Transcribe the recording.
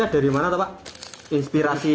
dari mana pak inspirasi